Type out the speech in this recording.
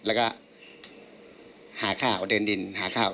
แล้วก็หาข่าวเดินดินหาข่าว